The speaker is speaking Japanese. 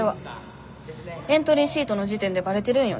エントリーシートの時点でバレてるんよね多分。